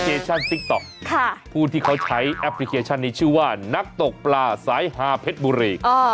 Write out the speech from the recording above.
เข้าที่ค่ะพูดที่เขาใช้แอปพลิเคชันนี้ชื่อว่านักตกปลาสาย๕เภทมูรี